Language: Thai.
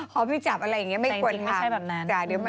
ขอพี่จับอะไรเหมือนพี่ไม่ควรทัก